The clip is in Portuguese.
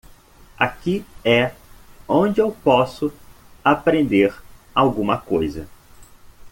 Aqui é onde eu posso aprender alguma coisa.